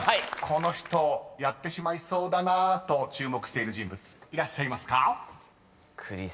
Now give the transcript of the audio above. この人やってしまいそうだな！と注目している人物いらっしゃいますか？］